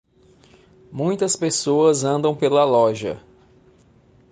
muitas pessoas andam pela loja.